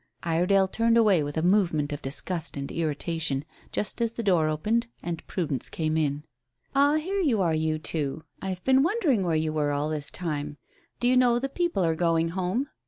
Iredale turned away with a movement of disgust and irritation just as the door opened and Prudence came in. "Ah, here you are, you two. I have been wondering where you were all this time. Do you know the people are going home?"